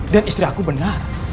dan istri aku benar